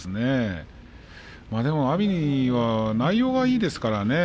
でも阿炎は内容がいいですからね。